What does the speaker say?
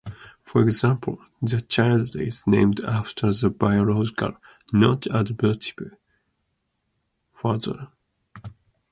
For example, the child is named after the biological, not adoptive, father.